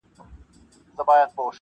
تر وراره دي لا په سل چنده ظالم دئ-